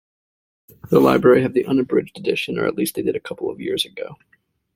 The library have the unabridged edition, or at least they did a couple of years ago.